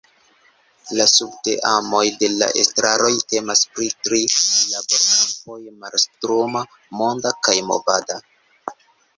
La subteamoj de la estraro temas pri tri laborkampoj, mastruma, monda kaj movada.